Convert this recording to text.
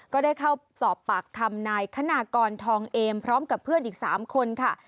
ก็ได้เข้าสอบปากคำนายคณากรทองเอมพร้อมกับเพื่อนอีก๓คนค่ะ